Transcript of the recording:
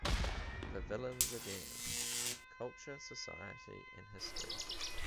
The villains again: culture, society, and history.